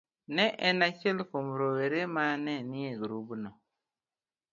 Ne en achiel kuom rowere ma ne nie grubno te.